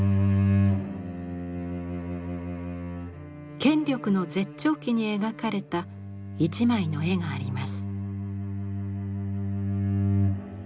権力の絶頂期に描かれた一枚の絵があります。